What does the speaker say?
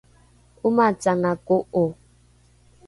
’omacanga ko’o